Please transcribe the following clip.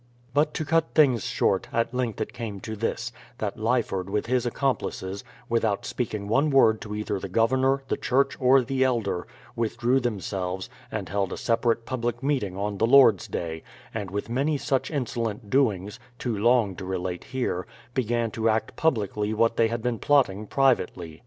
But to cut things short, at length it came to this, that Lyford with his accomplices, without speaking one word to either the Governor, the Church, or the elder, withdrew themselves, and held a separate public meeting on the Lord's day ; and with many such insolent doings, too long to relate here, began to act publicly what they had been plotting privately.